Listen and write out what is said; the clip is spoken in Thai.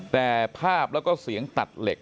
แต่ภาพแล้วก็เสียงตัดเหล็ก